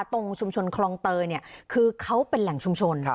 ตรงชุมชนคลองเตยเนี่ยคือเขาเป็นแหล่งชุมชน